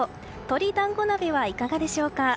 鶏団子鍋はいかがでしょうか。